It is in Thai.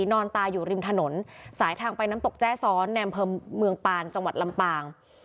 นอนตายอยู่ริมถนนสายทางไปน้ำตกแจ้ซ้อนในอำเภอเมืองปานจังหวัดลำปาง